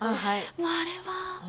もうあれは！